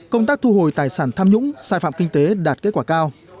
công tác thu hồi tài sản tham nhũng sai phạm kinh tế đạt kết quả cao